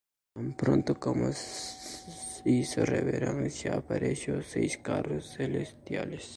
Tan pronto como hizo reverencias, aparecieron seis carros celestiales.